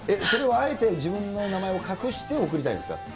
それはあえて自分の名前を隠して送りたいんですか。